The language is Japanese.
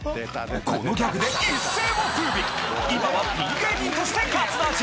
このギャグで今はピン芸人として活動中！